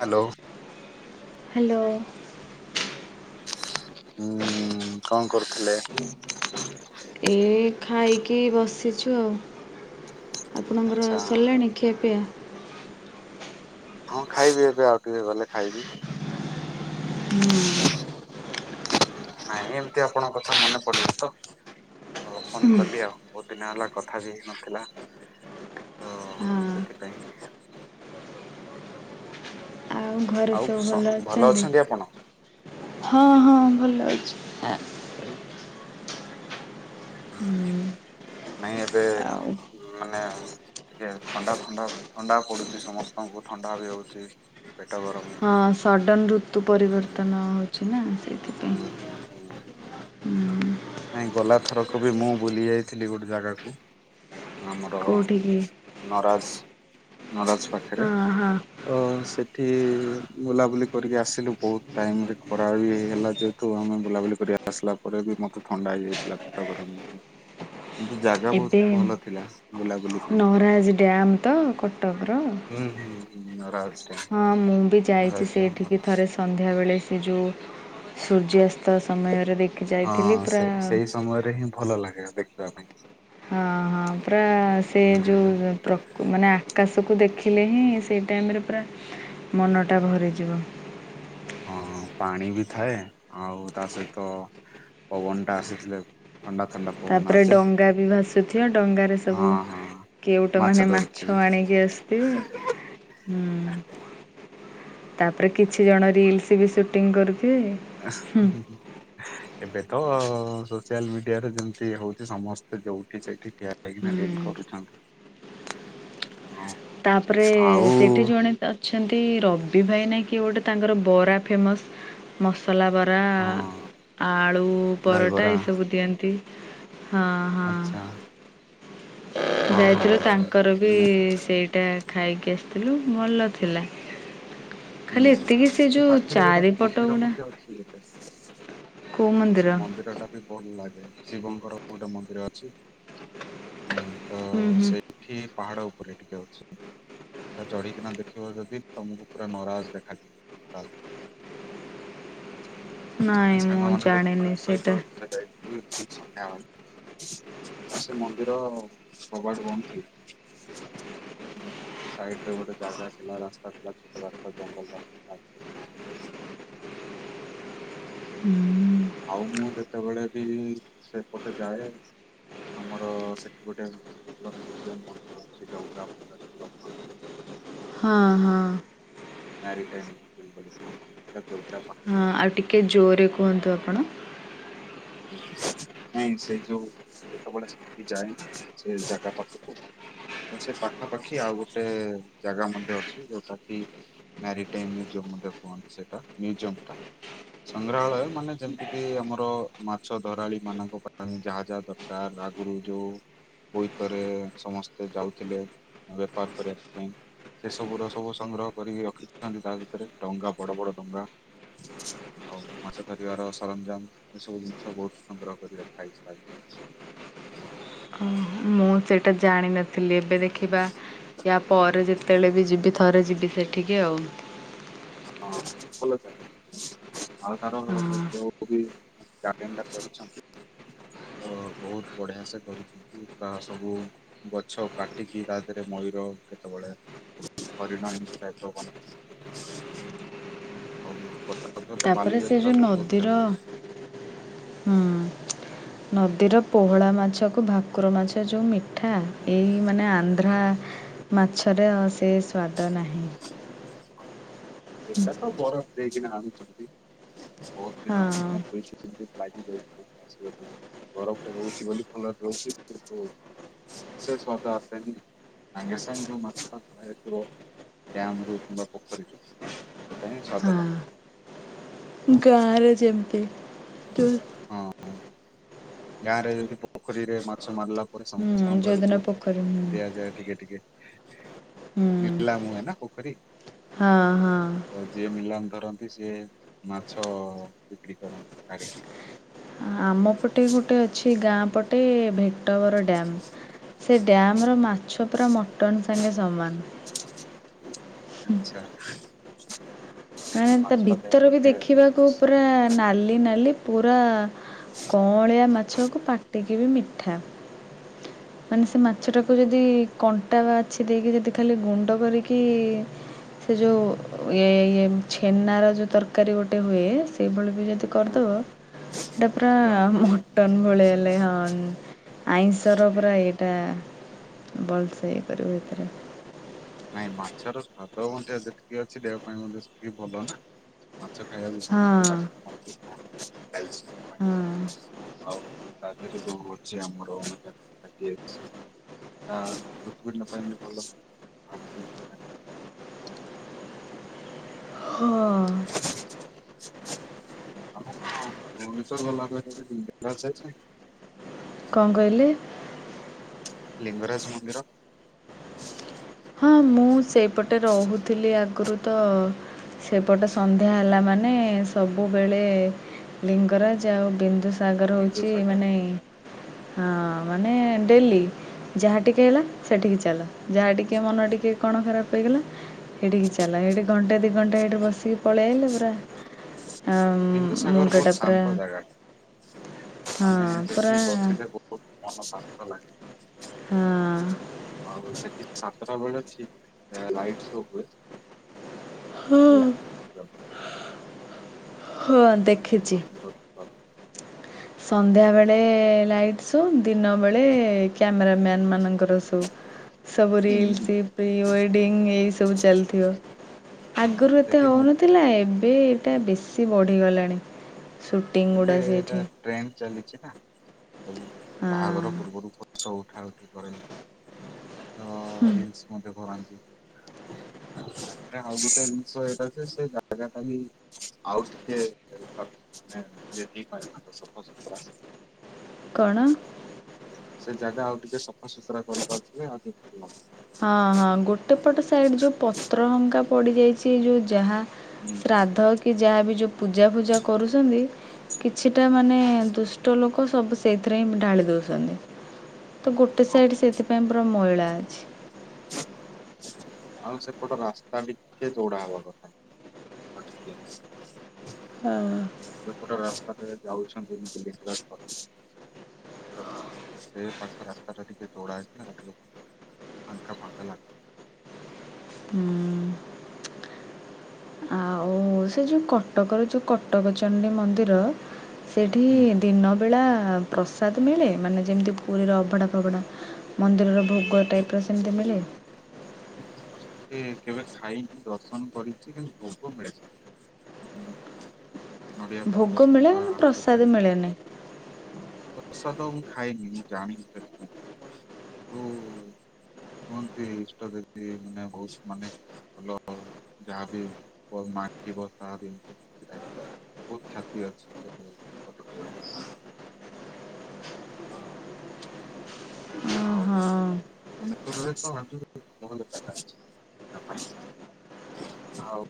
Hello hello ହୁଁ କଣ କରୁଥିଲେ? ଏ ଖାଇକି ବସିଛୁ ଆଉ। ଆପଣଙ୍କର ଆଚ୍ଛା ସରିଲାଣି ଖିଆ ପିଆ? ହଁ ଖାଇବି ଏବେ ଆଉ ଟିକେ ଗଲେ ଖାଇବି। ହୁଁ। ନାଇଁ ଏମିତି ଆପଣଙ୍କ କଥା ମନେ ପଡଛି ତ। ହଁ ଫୋନ କଲି ଆଉ ବହୁତ ଦିନ ହେଲା କଥା ବିହେଇ ନଥିଲା। ଓ ହଁ। ସେଥିପାଇଁ। ଆଉ ଘରେ ଆଉ ସବୁ ସ ଭଲ ଅଛନ୍ତି? ଆପଣ ହଁ ହଁ ଭଲ ଅଛି ଆ ହୁଁ। [unintelligible] ନାଇଁ ଏବେ ଆଉ ମାନେ ଟିକେ ଥଣ୍ଡା ଥଣ୍ଡା ଥଣ୍ଡା ପଡୁଛି ସମସ୍ତଙ୍କୁ ଥଣ୍ଡା ବି ହଉଛି ପେଟ ଗରମ ହଁ ହେଇକି ସଡନ ଋତୁ ହୁଁ ପରିବର୍ତ୍ତନ ହଉଛି ନା ସେ ହୁଁ ହୁଁ ହୁଁ। ହୁଁ। ନାଇଁ ଗଲାଥରକ ବି ମୁଁ ବୁଲି ଯାଇଥିଲି ଗୋଟେ ଜାଗାକୁ ଆମର କୋଉଠିକି ଅ ନରାଜ ନରାଜ ଫଟ ହଁ ହଁ। ତ ସେଠି ବୁଲାବୁଲି କରିକି ଆସିଲୁ ବହୁତ ଟାଇମ ରେ ଖରା ବି ହେଇ ହେଲା ଯେ ତ ଆମେ ବୁଲାବୁଲି କରିବା ଆସିଲା ପରେ ବି ମତେ ଥଣ୍ଡା ହେଇଯାଇଥିଲା ପେଟ ଗରମ ହେଇକି। କିନ୍ତୁ ଜାଗା ବହୁତ ଭଲ ଥିଲା ବୁଲାବୁଲି ପାଇଁ। ମରାଜ ଡ୍ୟାମ୍ ତ କ ଟକ ର ହୁଁ ହୁଁ ହୁଁ ନରାଜ ଡ୍ୟାମ ହଁ ମୁଁ ବି ଯାଇଛି ନରାଜ ଡ୍ୟାମ ସେଇଠିକି ଥରେ ସନ୍ଧ୍ୟାବେଳେ ସେ ଯେଉଁ ସୂର୍ଯ୍ୟାସ୍ତ ସମୟରେ ଦେଖି ଯାଇଥିଲି ହଁ ସେ ପୁରା ସେଇ ସମୟରେ ହିଁ ଭଲ ଲାଗେ ଦେଖିବା ପାଇଁ। ହଁ ହଁ ପୁରା ସେ ହୁଁ ଯୋଊଁ ପ୍ରକୁ ମାନେ ଆକାଶକୁ ଦେଖିଲେ ହିଁ ସେଇ ଟାଇମ୍ ରେ ପୁରା ମନଟା ଭରିଯିବ। ହଁ ପାଣି ବି ଥାଏ ଆଉ ତା ସହିତ ପବନ ଟା ଆସିଥିଲେ ଥଣ୍ଡା ଥଣ୍ଡା। ପବନ ତାପରେ ଆସେ ଡଙ୍ଗା ବି ଭାସୁଥିବ ଡଙ୍ଗାରେ ହଁ ସବୁ ହଁ କେଉଟ ମାନେ ମାଛ ଆଣିକି ଆସଥିବେ। ହୁଁ। ତାପରେ କିଛି ଜଣ ରିଲ୍ସ୍ ବି ସୁଟିଂ କରୁଥିବେ ଆ ହୁଁ ହୁଁ [unintelligible] ଏବେ ତ ସୋସିଆଲ ମିଡିଆରେ ଯେମିତି ହଉଛି ସମସ୍ତେ ଯୋଉଠି ସେଇଠି ଠିଆ କାଇକିନା ରିଲ୍ ହୁଁ। କରୁଛନ୍ତି ହଁ ତାପରେ ଆଉ ସେଠି ଜଣେ ଅଛନ୍ତି ରବି ଭାଇ ନାଇଁ କିଏ ଗୋଟେ ତାଙ୍କର ବରା ଫେମସ୍। ମସଲା ବରା ହଁ ଆଳୁ ପରଟା ଦହିବରା ଏଇସବୁ ଦିଅନ୍ତି। ହଁ ହଁ ଆଚ୍ଛା ହଁ ହଁ ଯାଇଥିଲୁ ହଁ। ତାଙ୍କର ବି ସେଇଟା [unintelligible] ଖାଇକି ଆସିଥିଲୁ ଭଲ ଥିଲା। ଖାଲି ଏତିକି ସେ ଯୋଉ ଚାରିପଟ ଗୁଡ଼ା ଆଛା ମନ୍ଦିର? ମନ୍ଦିରଟା ବି ଭଲ ଲାଗେ ଶିବଙ୍କର ଗୋଟେ ମନ୍ଦିର ଅଛି ମୁଁ ତ ହୁଁ ହୁଁ ସେ ଠି ପାହାଡ ଉପରେ ଟିକେ ଅଛି ସେଇଟା ଚଢିକିନା ଦେଖିବ ଯଦି ତମୁକୁ ତ ନରାଜ ଦେଖାଯିବ ଟୋଟାଲ୍। ନାଇଁ ଆମେ ମୁଁ ସାଙ୍ଗମାନଙ୍କ ଜାଣିନି ସେଇଟା ସହିତ ଥରେ ଯାଇଥିଲୁ ଠିକ୍ ସନ୍ଧ୍ୟାବଲେ। ସେ ମନ୍ଦିର କବାଟ ବନ୍ଦ ଥିଲା। ସେ ସାଇଟରେ ଗୋଟେ ଜାଗା ଥିଲା ରାସ୍ତା ଥିଲା ଛୋଟ ରା ତ ଜଙ୍ଗଲ ରାସ୍ତା ତା ଭିତେରେ ପଶିକି ଯାଇଛି। ହୁଁ। ଆଉ ମୁଁ ଯେତେବେଳେ ବି ସେପଟେ ଯାଏ ଆମର ସେଠି ଗୋଟ [unintelligible] ମନ୍ଦିର ଅଛି ଡଙ୍ଗା ଫଙ୍ଗା ସବୁ ରଖନ୍ତି। ହଁ ଉ ହଁ ମ୍ୟାରିଟାଇମ୍ [unintelligible] ଏଇଟା ଜୋବ୍ରା ପାଖରେ। ହଁ ଅଛି। ଆଉ ଟିକେ ଜୋରେ କୁହନ୍ତୁ ଆପଣ। ନାଇଁ ସେ ଯୋଉ ଯେତବେଳେ ସେଠିକି ଯାଏ ନା ସେ ଜାଗା ପାଖକୁ ତ ସେ ପାଖାପାଖି ଆଉ ଗୋଟେ ଜାଗା ମଧ୍ୟ ଅଛି ଯୋଉଟା କି ମ୍ୟାରିଟାଇମ ମ୍ୟୁଜିୟମ ମଧ୍ୟ କୁହନ୍ତି ସେଟା ମ୍ୟୁଜିୟମଟା। ସଂଗ୍ରହାଳୟ ମାନେ ଯେମତି କି ଆମର ମାଛଧରାଳିମାନଙ୍କ ପାଇଁ ଯାହା ଯାହା ଦରକାର ଆଗୁରୁ ଯୋଉ ବୋଇତରେ ସମସ୍ତେ ଯାଉଥିଲେ ବେପାର କରିବା ପାଇଁ ସେସବୁର ସବୁ ସଂଗ୍ରହ କରିକି ରଖିଥାନ୍ତି ତା ଭିତେରେ ଡଙ୍ଗା ବଡ ବଡ ଡଙ୍ଗା ଆଉ ମାଛ ଧରିବାର ସରଞ୍ଜାମ ଏସବୁ ଜିନି ସବୁ ସଂଗ୍ରହ କରି ରଖାହେଇଚି ତା ଭିତେରେ। ଓହୋ ଉଁ ମୁଁ ଚେଇଟା ଜାଣିନ ଥିଲି ଏବେ ଦେଖିବା ୟାପରେ ଯେତେବେଳେ ବି ଯିବି ଥରେ ଯିବି ସେଠିକି ଆଉ। ହଁ ଭଲ ଜାଗା ଦେଖି [unintelligible] ଆଉ ତାର ହଁ ଯୋଉ ବି [unintelligible] କରୁଛନ୍ତି। ଓ ବୋହୁତ ବଢିଆ ସେ କରିଛନ୍ତି ପ୍ରାୟ ସବୁ ଗଛ କାଟିକି ତା ଧେରେ ମୟୂର କେତେ ବଢିଆ ହରିଣ ଏମିତି ଟାଇପର ବନେଇ ଦେଇଛନ୍ [inaudible] ହଉ କଟ ତାପରେ ସେ ଯୋଉ ନଦୀର ହୁଁ। ନଦୀର ପୋହଳା ମାଛକୁ ଭାକୁର ମାଛ ଯୋଉ ମି ଠା ଏଇ ମାନେ ଆନ୍ଧ୍ରା ମାଛରେ ଆଉ ସେ ସ୍ୱାଦ ନାହିଁ। ଏକା ତ ବରଫ ଦେଇକିନା ଆଣୁଚନ୍ତି। ବୋହୁତ ଦିନ ହଁ ମାନେ ଦୁଇ ତିନ ଦିନ ଲାଗି ଯାଉ [unintelligible] ଆସିବା ପାଇଁ ବରଫରେ ରହୁଚି ବୋଲି ଭଲରେ ରହୁଚି କିନ୍ତୁ ସେ ସ୍ୱାଦ ଆସେନି ସାଙ୍ଗେ ସାଙ୍ଗେ ଯୋଉ ମାଛଟା ଧରା ଯାଇଥିବ ଡ୍ୟାମରୁ କିମ୍ବା ପୋଖରୀରୁ ସେଟା ହିଁ ସ୍ୱାଦ ଲାଗେ। ହଁ ଗାଁରେ ଯେମତି ହଁ ଗାଁରେ ଯେନ୍ତି ପୋଖରୀରେ ମାଛ ମାରିଲା ପରେ ସମ ସ୍ତଙ୍କ ଘରୁକୁ ଯୋଉଦିନ ପୋଖରୀ ହୁଁ ଦିଆଯାଏ ଟିକେ ଟିକେ। ହୁଁ ନିଲାମ ହୁଏ ନା ପୋଖରୀ। ହଁ ହଁ। ତ ଯିଏ ନିଲାମ ଧରନ୍ତି ସିଏ ମାଛ ବିକ୍ରି କରନ୍ତି ଛାଡିକି। ଆମ ପଟେ ଗୋଟେ ଅଛି ଗାଁ ପଟେ ଭେ ତବର ଡ୍ୟାମ ସେ ଡ୍ୟାମର ମାଛ ପୁରା ମଟନ ସାଙ୍ଗେ ସମାନ। ଆଚ୍ଛା। ମାନେ ତା ମାଛର ଦେହ ଭିତର ବି ପକ୍ଷେ ଦେଖିବାକୁ ପୁରା ନାଲି ନାଲି ପୁରା କଅଁଳିଆ ମାଛକୁ ପାଟି ସେତିିକି ବି ମିଠା। ମାନେ ସେ ମାଛ ଟାକୁ ଯଦି କଣ୍ଟା ବାଛି ଦେଇକି ଯଦି ଖାଲି ଗୁଣ୍ଡ କରିକି ସେ ଯୋଉ ଇ ଇ ଛେନାର ଯୋଉ ତରକାରୀ ଗୋଟେ ହୁଏ ସେଇଭଳି ବି ଯଦି ହଁ କରିଦବୁ ଏଟା ପୁରା ଜଣା ପଡିବନି। ମଟନ ଭଳିଆ ଲେ ହ ଆଇଁସର ପୁରା ଏଇଟା ବଲ ସେ କିରିବ ଏଇ ଥର। ନାଇଁ ମାଛର ସ୍ୱାଦ ମଧ୍ୟ ସେତିକି ଅଛି ଦେହ ପାଇଁ ମଧ୍ୟ ସେତିକି ଭଲ ନା? ମାଛ ଖାଇବା ବି ହଁ ସମସ୍ତେ ଲାଗ ମା କସ ପା ହଁ ହଉ ତା ଥିରେ ଯୋଉ ଅଛି ଆମର ଅ ଆ ହୃତ୍‌ପିଣ୍ଡ ପାଇଁ ବି ଭଲ। ହଁ ଆଖି ହଁ। ଆ ଭୁବନେଶ୍ଵର ଗଲା ପରେ ବି ହେଇଛି? କଣ କହିଲେ? ଲିଙ୍ଗରାଜ ମନ୍ଦିର? ହଁ ମୁଁ ସେଇପଟେ ରହୁଥିଲି ଆଗରୁ ତ ସେପଟ ସନ୍ଧ୍ୟା ହେଲା ମାନେ ସବୁବେଳେ ଲିଙ୍ଗରାଜ ଆଉ ବିନ୍ଦୁସା ସାଗର ହେଉଛି ବିନ୍ଦୁସାଗର ମାନେ ହଁ ମାନେ ଡେଲି ଯାହା ଟିକେ ହେଲା ସେଠିକି ଚାଲ ଯାହା ଟି ଟିକେ ମନ ଟିକେ କଣ ଖରାପ ହେଇଗଲା ସେଠିକି ଚାଲ ଏଠି ଘଣ୍ଟା ଦି ଘଣ୍ଟା ସେଠି ବସିକି ପଳେଇଆଇଲେ ପୁରା ଆ ବିନ୍ଦୁସାଗର ମୁଣ୍ଡ ବହୁତ ଟା ପରା ଶାନ୍ତ ଜାଗା ହଁ ପରା ହୁତ ମନ ଶାନ୍ତ ଲାଗେ। ହଁ। ଆଉ ସେଠି ସାତଟା ବେଳେ ଠିକ୍ ଲାଇଟ ଶୋ ହୁଏ। ହଁ ହେଁ ହଁ ବହୁତ ସୁନ୍ଦର ଦେଖିଛି ସୁନ୍ଦର ବା ସନ୍ଧ୍ୟାବେଳେ ଲାଇଟ୍ ସବୁ ଦିନ ବେଳେ କ୍ୟାମେର ମ୍ୟାନ ମାନଙ୍କର ସବୁ ସବୁ ରିଲ୍ସ କରନ୍ତି। ପ୍ରି ୱେଡ଼ିଙ୍ଗ ଏଇ ସବୁ ଚାଲିଥିବ। ହଁ ଆଗରୁ ଏତେ ସେଠି ମୁଁ ହଉନଥିଲା ଏବେ ଏଇଟା ବେଶୀ ବଢ଼ିଗଲାଣି। ସୁଟିଂ ଏବେ ଗୁଡ଼ା ଏଟା ସେଇଠି ଟ୍ରେନ ଚାଲିଛି ନା ସବୁ ହଁ ବାହାଘର ପୂର୍ବରୁ ସବୁ ଉଠା ଉଠି କରନ୍ତି, ରିଲସ ମଧ୍ୟ କରନ୍ତି। ରେ ଆଉ ଗୋଟେ ଜିନିଷ ଏଇଟା କି ସେ ଜାଗାଟା ବି ଆଉ ଟିକେ ମାନେପ ସଫାସୁତୁରା କଣ? ସେ ଜାଗା ଆଉ ଟିକେ ସଫାସୁତୁରା କରିପାରୁଥିଲେ ଆଉ ଟିକେ ଭଲ ହଁ ହଁ ଗୋଟେ ପଟ ସାଇଡ୍ ଯୋଉ ପତ୍ର ହଙ୍କା ପଡି ଯାଇଛି ଯୋଉ ଯାହା ହୁଁ ଶ୍ରାଦ୍ଧ କି ଯାହାବି ଯୋଉ ପୂଜାଫୁଜା କରୁଛନ୍ତି କିଛିଟା ମାନେ ଦୁଷ୍ଟ ଲୋକ ସବୁ ସେଇଥିରେ ହିଁ ଢାଳି ଦଉଛନ୍ତି। ତ ଗୋଟେ ହଁ ସାଇଡ୍ ସେଥିପାଇଁ ପୁରା ମଇଳା ଅଛି। ଆଉ ସେପଟ ରାସ୍ତା ଟିକେ ଚଉଡା ହବା କଥା ଆଉ ଟିକେ ହଁ। ଲୋକ ଟା ରାସ୍ତା ଯାଉଛନ୍ତି ମତି ଦେଖେିବାଖ କରି [inaudible] ଦେଖନ୍ତୁ ସେ ପାଖ ରାସ୍ତା ଟା ଟିକେ ଚଉଡା ହେଇଛି ନା ଆଉ ଟିକେ ଫାଙ୍କା ଫାଙ୍କା ଲାଗୁ ହୁଁ। ଆଉ, ହଁ ସେ ଯୋଉଁ କଟକର ଯୋଉଁ କଟକ ଚଣ୍ଡୀ ମନ୍ଦିର ସେଠି ହୁଁ ହୁଁ ଦିନବେଳା ପ୍ରସାଦ ମିଳେ ମାନେ ଯେମିତି ପୁରୀର ଅଭଢ଼ା ଫଭ଼ା ମନ୍ଦିରର ଭୋଗ ଟାଇପର ସେମିତି ମିଳେ? ମୁଁ ତ କେବେ ଖାଇନି ଦର୍ଶନ କରିଛି କିନ୍ତୁ ଭୋଗ ମିଳେ ସେଠି। ହୁଁ। ଭୋଗ ମିଳେ ହେଲେ ତିଆରି ପ୍ରସାଦ ଭୋଗ ମିଳେନି। ପ୍ରସାଦ ତ ମୁଁ ଖାଇନି ମୁଁ ଜାଣିନି ସେଥିପାଇଁ ତ କୁହନ୍ତି ଇଷ୍ଟ ଦେବୀ ମାନେ ବହୁତ ମାନେ ଭଲ ଯାହାବ ମାଗିବ ତାହା ବି ଏମତି କେମତିିବ ବହୁତ କ୍ଷତି ଅଛି ସେ ଫଟୋ ପାଞ୍ଚ [inaudible] ଓ ଆଉ ହଁ ନହଲେ [unintelligible] ଆଉ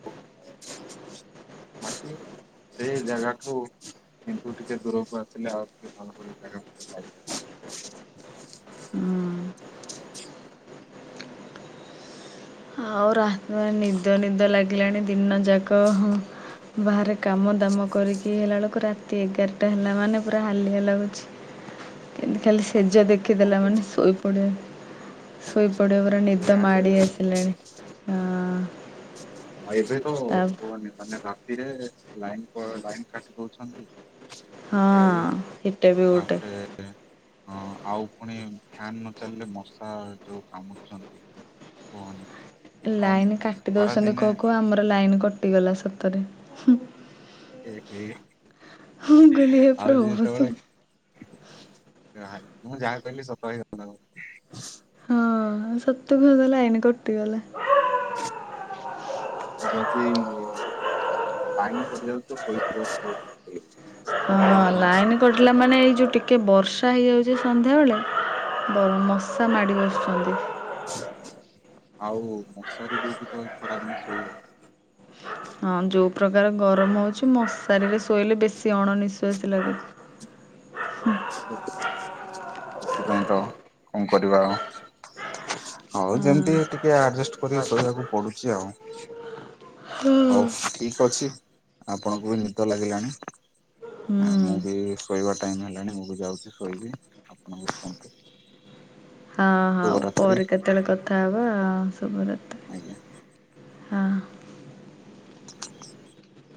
[unintelligible] ସେଇ ଜାଗାକୁ କିନ୍ତୁ ଟିକେ ଦୂରକୁ ଆସିଲେ ଆଉ ଟିକେ ଭଲ ଭଲ ଜାଗା ମଧ୍ୟ ପାଇପାରିବି। ହୁଁ। [inaudible] ଆଉ ରା ନିଦ ନିଦ ଲାଗିଲାଣି ଦିନ ଯାକ ବାହାରେ କାମ ଦାମ କରିକି ହେଲାବେଳକୁ ରାତି। ରା ଏଗାରଟା ହେଲା ମାନେ ପୁରା ହାଲିଆ ଲାଗୁଛିମତି ଖାଲି ସେଜ ଦେଖ ଦେଖିଦେଲା ମାନେ ଶୋଇପଡିିବା ଶୋଇପଡିବା ପୁରା ନିଦ ହାଲିଆ ମାଡି ଲାଗେ ଆସିଲାଣି। ହଁ। ଆଉ ଏବେ ତ ତା ପୁଅ ମାନେ କାତିରେ ଲାଇନ ପ ଲାଇନ କାଟି ଦଉଛନ୍ତି ହଁ ବେଳେ ବେଳେ ସେଇଟା ବି ଗୋଟେ ତାପରେ ହଁ ଆଉ ପୁଣି ଫ୍ୟାନ ନ ଚାଲିଲେ ମଶା ଯୋଉ କାମୁଡୁଛନ୍ତି। କହନି? ଲାଇନ କାଟି ଦଉଛନ୍ତି କୁହୁ କୁହୁ ଆମର ଲାଇନ କଟିଗଲା ସତରେ ଏ ମୁଁ କହିଲି ହେ ଆଉ ପ୍ରଭୁ ହଁ ଯେତେବେଳେ ଭାଇ ମୁଁ ଯାହାପାରିଲି ସକାଳ ହଁ ସତ କୁ ଆମ ଲାଇନ କଟିଗଲା। ଯଦି ପାଣି ପାଣିପଡ଼ିବାକୁ ତୁ ଶୋଇପଡ଼ିଥିବୁ। ହଁ ଲାଇନ କଟିଲା ମାନେ ଏଇ ଯୋଉ ଟିକେ ବର୍ଷା ହେଇଯାଉଛି ସନ୍ଧ୍ୟାବେଳେ। ବର ମଶା ମାଡ଼ି ବସୁଛନ୍ତି। ଆଉ ମଶାରୀ ଦେଇକି ତ ଖରାଦିନେ ଶୋଇ ହବ। ହଁ ଯୋଉ ପ୍ରକାର ଗରମ ହଉଛି ମଶାରିରେ ଶୋଇଲେ ବେଶୀ ଅଣ ନିିଶ୍ଵାସ ଲାଗେ। ସେଥିପାଇଁ ତ କଣ କରିବା ଆଉ। ହଉ ହଁ। ଯେମିତି ଟିକେ ଆଡଜେଷ୍ଟ କରି ଶୋଇବାକୁ ପଡୁଛି ଆଉ। ହଉ ଠିକ ଅଛି ଆପଣଙ୍କୁ ବି ନିଦ ଲାଗିଲାଣି। ହୁଁ ଆଉ ମୁଁ ବି ଶୋଇବା ଟାଇମ ହେଲାଣି ମୁଁ ବି ଯାଉଛି ଶୋଇବି ଆପଣଙ୍କୁ ଶୁନ୍ତୁ। [inaudible] ହଁ ହଉ ପରେ କେତେବେଳେ କଥା ହବା ସବୁ ରା ଆଜ୍ଞା।